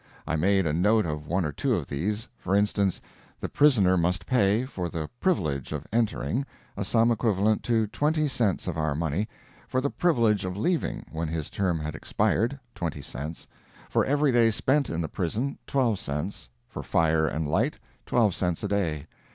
I made a note of one or two of these. For instance: The prisoner must pay, for the "privilege" of entering, a sum equivalent to 20 cents of our money; for the privilege of leaving, when his term had expired, 20 cents; for every day spent in the prison, 12 cents; for fire and light, 12 cents a day.